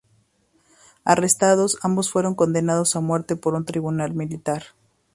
Arrestados, ambos fueron condenados a muerte por un tribunal militar.